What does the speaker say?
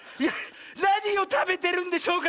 「なにをたべてるんでしょうか」